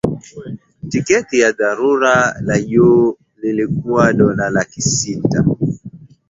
tiketi ya daraja la juu ilikuwa dola laki sita